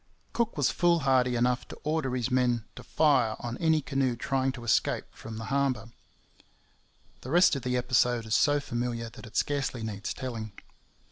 Cook was foolhardy enough to order his men to fire on any canoe trying to escape from the harbour. The rest of the episode is so familiar that it scarcely needs telling.